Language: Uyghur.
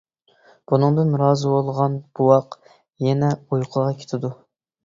بۇنىڭدىن رازى بولغان بوۋاق يەنە ئۇيقۇغا كېتىدۇ.